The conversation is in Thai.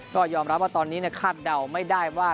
ก็ยอมรับว่าตอนนี้คาดเดาไม่ได้ว่า